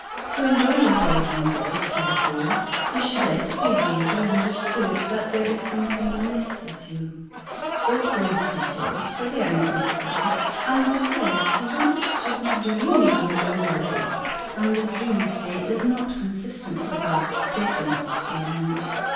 To enjoy your holiday in bed to the full, you should let it be vaguely understood that there is something amiss with you. Don't go into details, for they are not necessary; and, besides, you want to be dreamy more or less, and the dreamy state is not consistent with a definite ailment.